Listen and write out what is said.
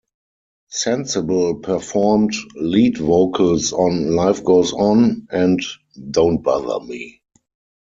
Sensible performed lead vocals on "Life Goes On" and "Don't Bother Me".